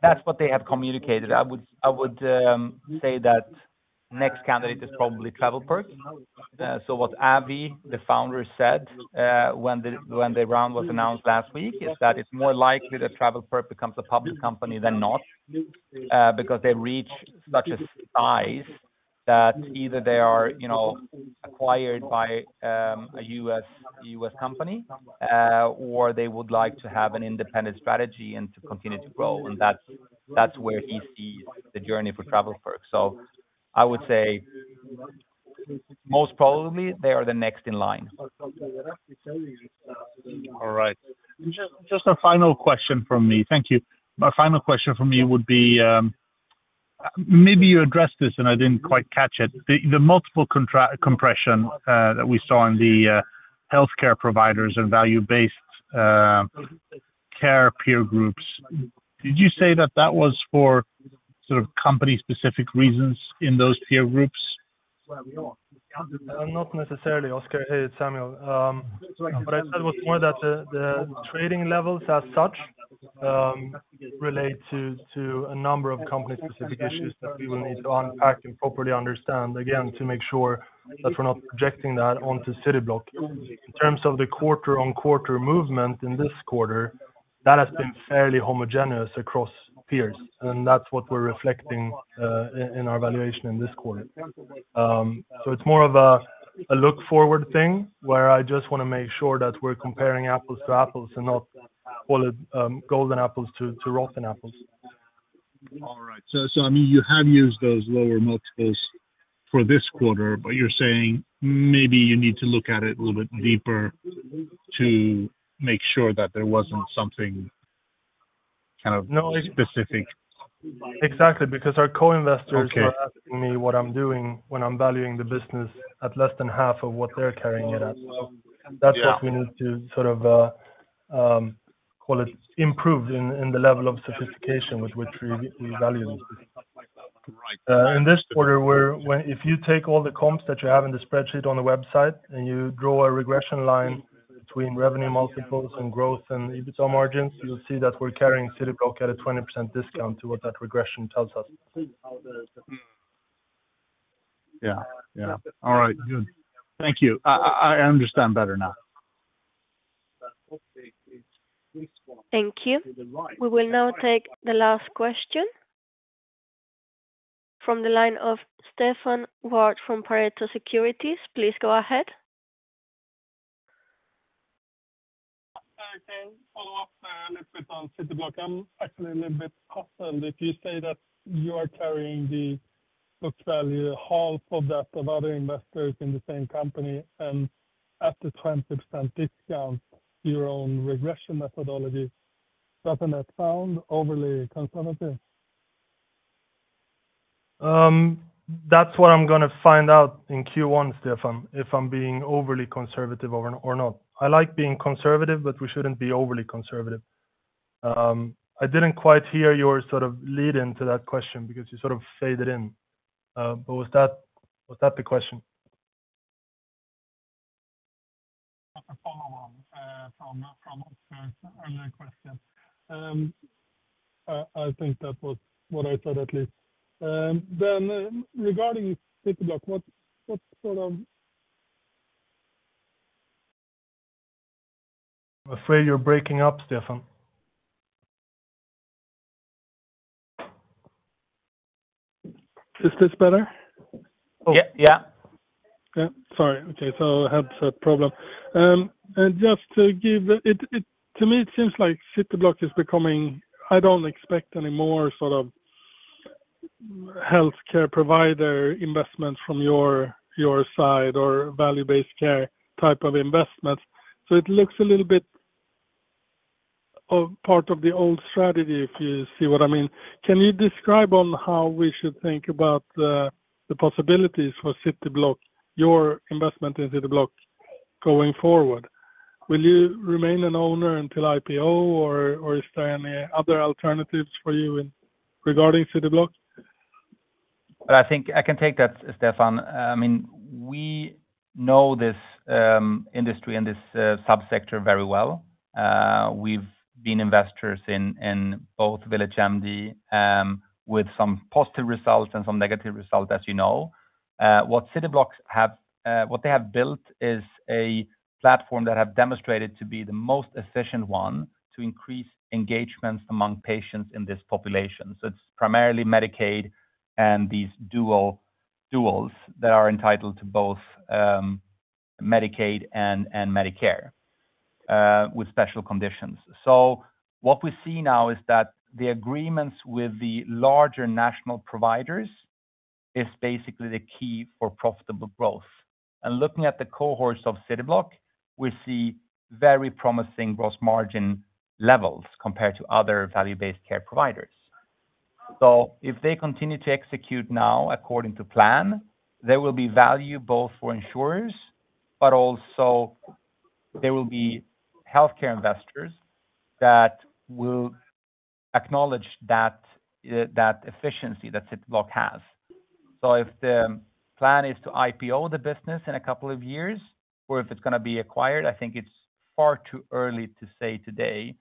That's what they have communicated. I would say that the next candidate is probably TravelPerk. What Avi, the founder, said when the round was announced last week is that it's more likely that TravelPerk becomes a public company than not because they reach such a size that either they are acquired by a U.S. company or they would like to have an independent strategy and to continue to grow. And that's where he sees the journey for TravelPerk. So I would say most probably they are the next in line. All right. Just a final question from me. Thank you. My final question from me would be maybe you addressed this and I didn't quite catch it. The multiple contraction that we saw in the healthcare providers and value-based care peer groups, did you say that that was for sort of company-specific reasons in those peer groups? Not necessarily, Oskar, it's Samuel. But I said it was more that the trading levels as such relate to a number of company-specific issues that we will need to unpack and properly understand, again, to make sure that we're not projecting that onto Cityblock. In terms of the quarter-on-quarter movement in this quarter, that has been fairly homogeneous across peers. And that's what we're reflecting in our valuation in this quarter. So it's more of a look-forward thing where I just want to make sure that we're comparing apples to apples and not, call it, golden apples to rotten apples. All right. So I mean, you have used those lower multiples for this quarter, but you're saying maybe you need to look at it a little bit deeper to make sure that there wasn't something kind of specific. Exactly. Because our co-investors are asking me what I'm doing when I'm valuing the business at less than half of what they're carrying it at. That's what we need to sort of, call it, improve in the level of sophistication with which we value them. In this quarter, if you take all the comps that you have in the spreadsheet on the website and you draw a regression line between revenue multiples and growth and EBITDA margins, you'll see that we're carrying Cityblock at a 20% discount to what that regression tells us. Yeah. Yeah. All right. Good. Thank you. I understand better now. Thank you. We will now take the last question from the line of Stefan Wård from Pareto Securities. Please go ahead. Okay. Follow up a little bit on Cityblock. I'm actually a little bit puzzled. If you say that you are carrying the book value half of that of other investors in the same company and at the 20% discount, your own regression methodology, doesn't that sound overly conservative? That's what I'm going to find out in Q1, Stefan, if I'm being overly conservative or not. I like being conservative, but we shouldn't be overly conservative. I didn't quite hear your sort of lead-in to that question because you sort of faded in. But was that the question? That's a follow-on from Oskar's earlier question. I think that was what I thought, at least. Then regarding Cityblock, what sort of I'm afraid you're breaking up, Stefan. Is this better? Yeah. Yeah. Yeah. Sorry. Okay. So I had a problem. And just to give to me, it seems like Cityblock is becoming. I don't expect any more sort of healthcare provider investments from your side or value-based care type of investments. So it looks a little bit part of the old strategy, if you see what I mean. Can you describe on how we should think about the possibilities for Cityblock, your investment in Cityblock going forward? Will you remain an owner until IPO, or is there any other alternatives for you regarding Cityblock? I think I can take that, Stefan. I mean, we know this industry and this subsector very well. We've been investors in both VillageMD with some positive results and some negative results, as you know. What Cityblock have what they have built is a platform that have demonstrated to be the most efficient one to increase engagements among patients in this population. So it's primarily Medicaid and these duals that are entitled to both Medicaid and Medicare with special conditions. So what we see now is that the agreements with the larger national providers is basically the key for profitable growth. And looking at the cohorts of Cityblock, we see very promising gross margin levels compared to other value-based care providers. So if they continue to execute now according to plan, there will be value both for insurers, but also there will be healthcare investors that will acknowledge that efficiency that Cityblock has. So if the plan is to IPO the business in a couple of years or if it's going to be acquired, I think it's far too early to say today.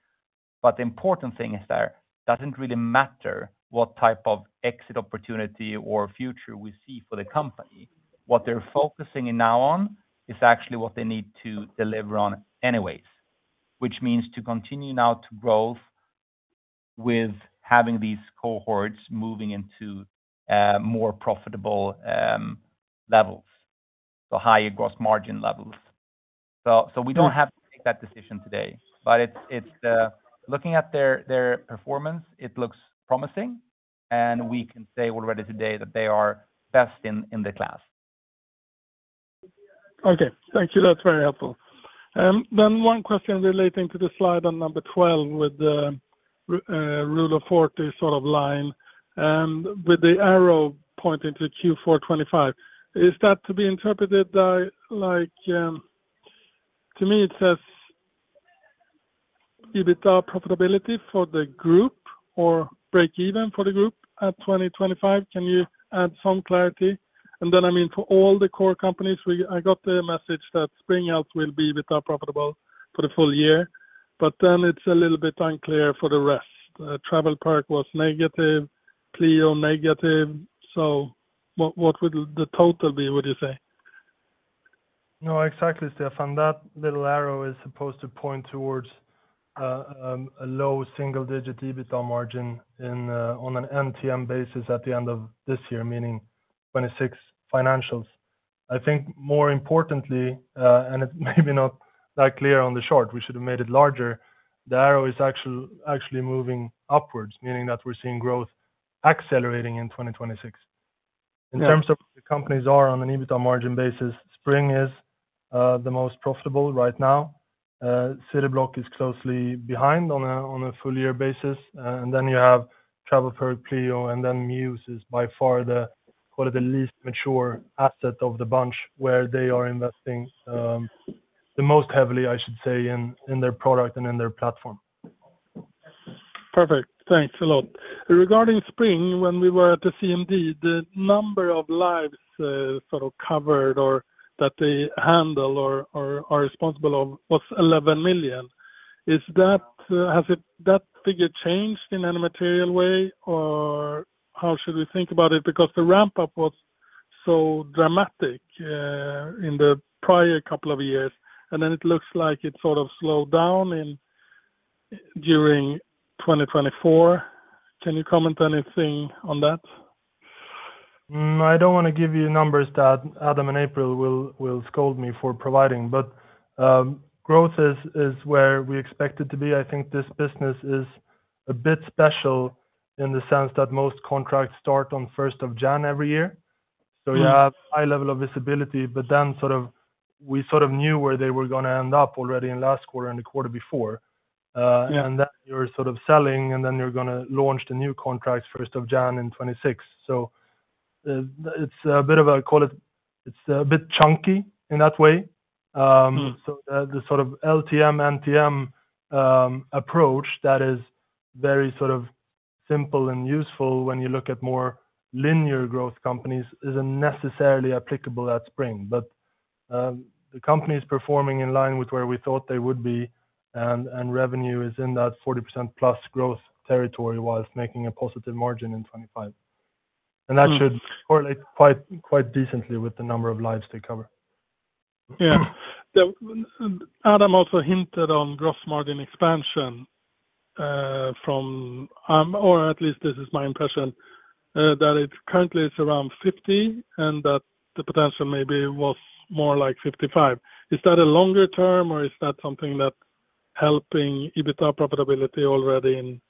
But the important thing is there doesn't really matter what type of exit opportunity or future we see for the company. What they're focusing now on is actually what they need to deliver on anyways, which means to continue now to growth with having these cohorts moving into more profitable levels, so higher gross margin levels. So we don't have to make that decision today. But looking at their performance, it looks promising. And we can say already today that they are best in the class. Okay. Thank you. That's very helpful. Then one question relating to the slide on number 12 with the Rule of 40 sort of line with the arrow pointing to Q4 2025. Is that to be interpreted by to me, it says EBITDA profitability for the group or break-even for the group at 2025. Can you add some clarity? And then, I mean, for all the core companies, I got the message that Spring Health will be EBITDA profitable for the full year. But then it's a little bit unclear for the rest. TravelPerk was negative, Pleo negative. So what would the total be, would you say? No, exactly, Stefan. That little arrow is supposed to point towards a low single-digit EBITDA margin on an NTM basis at the end of this year, meaning 2026 financials. I think more importantly, and it's maybe not that clear on the chart. We should have made it larger. The arrow is actually moving upwards, meaning that we're seeing growth accelerating in 2026. In terms of what the companies are on an EBITDA margin basis, Spring is the most profitable right now. Cityblock is closely behind on a full-year basis. And then you have TravelPerk, Pleo, and then Mews is by far the, call it, the least mature asset of the bunch where they are investing the most heavily, I should say, in their product and in their platform. Perfect. Thanks a lot. Regarding Spring, when we were at the CMD, the number of lives sort of covered or that they handle or are responsible of was 11 million. Has that figure changed in any material way, or how should we think about it? Because the ramp-up was so dramatic in the prior couple of years, and then it looks like it sort of slowed down during 2024. Can you comment anything on that? I don't want to give you numbers that Adam and April will scold me for providing. But growth is where we expect it to be. I think this business is a bit special in the sense that most contracts start on 1st of January every year. So you have a high level of visibility, but then sort of we knew where they were going to end up already in last quarter and the quarter before. And then you're sort of selling, and then you're going to launch the new contracts 1st of January in 2026. So it's a bit of a, call it, it's a bit chunky in that way. So the sort of LTM, NTM approach that is very sort of simple and useful when you look at more linear growth companies isn't necessarily applicable at Spring. But the company is performing in line with where we thought they would be, and revenue is in that 40% plus growth territory whilst making a positive margin in 2025. And that should correlate quite decently with the number of lives they cover. Yeah. Adam also hinted on gross margin expansion from, or at least this is my impression, that currently it's around 50% and that the potential maybe was more like 55%. Is that a longer term, or is that something that's helping EBITDA profitability already in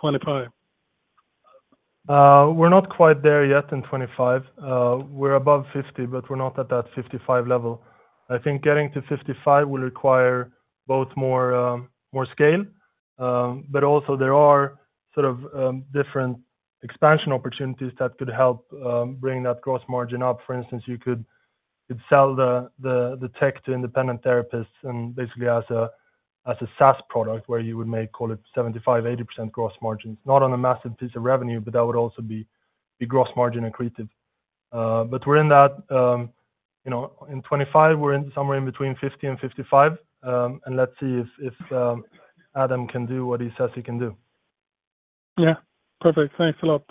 2025? We're not quite there yet in 2025. We're above 50%, but we're not at that 55% level. I think getting to 55% will require both more scale, but also there are sort of different expansion opportunities that could help bring that gross margin up. For instance, you could sell the tech to independent therapists and basically as a SaaS product where you would make, call it, 75%-80% gross margins. Not on a massive piece of revenue, but that would also be gross margin accretive. But we're in that in 2025, we're somewhere between 50 and 55. And let's see if Adam can do what he says he can do. Yeah. Perfect. Thanks a lot.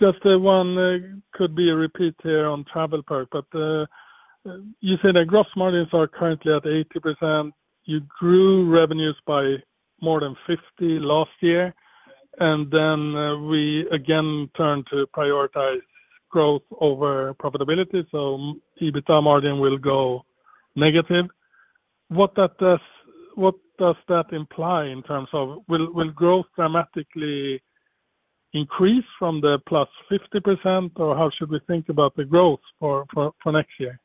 Just one could be a repeat here on TravelPerk, but you said that gross margins are currently at 80%. You grew revenues by more than 50% last year. And then we again turned to prioritize growth over profitability. So EBITDA margin will go negative. What does that imply in terms of will growth dramatically increase from the plus 50%, or how should we think about the growth for next year?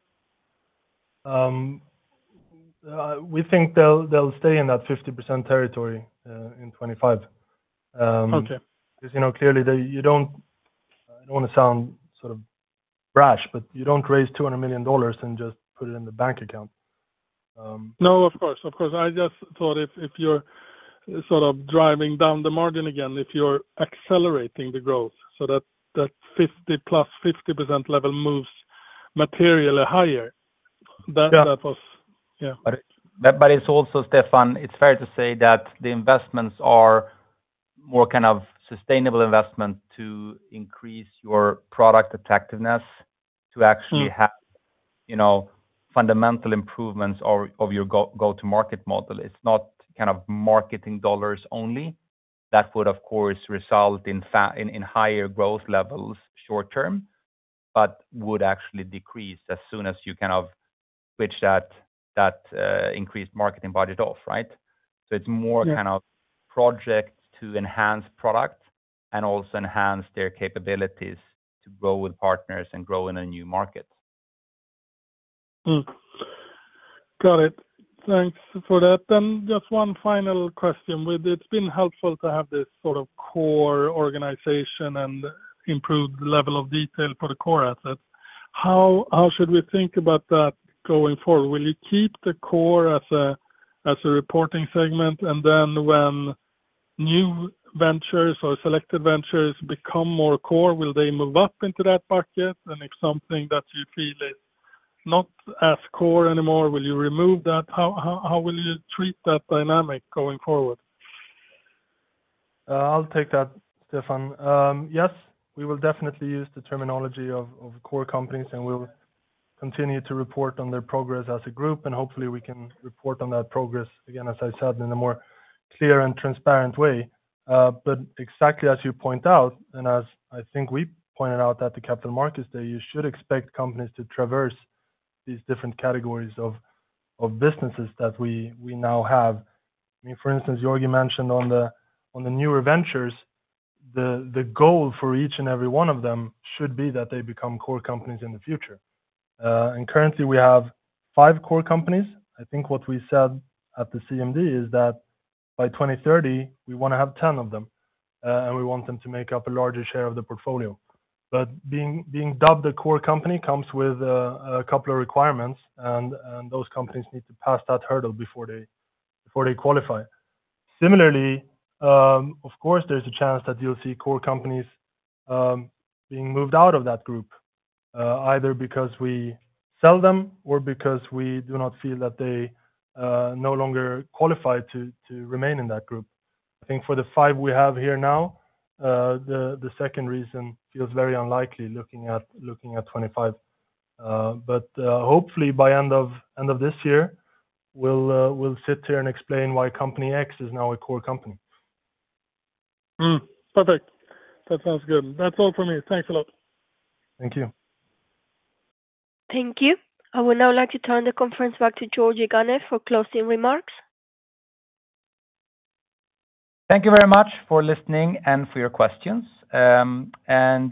We think they'll stay in that 50% territory in 2025. Because clearly, you don't. I don't want to sound sort of brash, but you don't raise $200 million and just put it in the bank account. No, of course. Of course. I just thought if you're sort of driving down the margin again, if you're accelerating the growth so that that plus 50% level moves materially higher, that was yeah. But it's also, Stefan, it's fair to say that the investments are more kind of sustainable investment to increase your product attractiveness to actually have fundamental improvements of your go-to-market model. It's not kind of marketing dollars only. That would, of course, result in higher growth levels short-term, but would actually decrease as soon as you kind of switch that increased marketing budget off, right? So it's more kind of projects to enhance product and also enhance their capabilities to grow with partners and grow in a new market. Got it. Thanks for that. Then just one final question. It's been helpful to have this sort of core organization and improved level of detail for the core assets. How should we think about that going forward? Will you keep the core as a reporting segment? And then when new ventures or selected ventures become more core, will they move up into that bucket? And if something that you feel is not as core anymore, will you remove that? How will you treat that dynamic going forward? I'll take that, Stefan. Yes, we will definitely use the terminology of core companies, and we'll continue to report on their progress as a group. And hopefully, we can report on that progress again, as I said, in a more clear and transparent way. But exactly as you point out, and as I think we pointed out at the Capital Markets Day, you should expect companies to traverse these different categories of businesses that we now have. I mean, for instance, Georgi mentioned on the newer ventures, the goal for each and every one of them should be that they become core companies in the future, and currently, we have five core companies. I think what we said at the CMD is that by 2030, we want to have 10 of them, and we want them to make up a larger share of the portfolio, but being dubbed a core company comes with a couple of requirements, and those companies need to pass that hurdle before they qualify. Similarly, of course, there's a chance that you'll see core companies being moved out of that group, either because we sell them or because we do not feel that they no longer qualify to remain in that group. I think for the five we have here now, the second reason feels very unlikely looking at 2025. But hopefully, by end of this year, we'll sit here and explain why Company X is now a core company. Perfect. That sounds good. That's all for me. Thanks a lot. Thank you. Thank you. I would now like to turn the conference back to Georgi Ganev for closing remarks. Thank you very much for listening and for your questions. And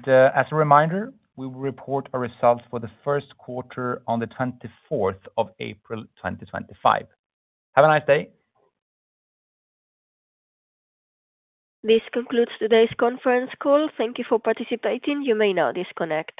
as a reminder, we will report our results for the first quarter on the 24th of April, 2025. Have a nice day. This concludes today's conference call. Thank you for participating. You may now disconnect.